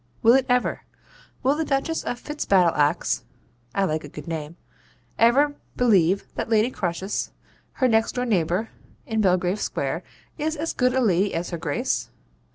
Will it ever? Will the Duchess of Fitzbattleaxe (I like a good name) ever believe that Lady Croesus, her next door neighbour in Belgrave Square, is as good a lady as her Grace?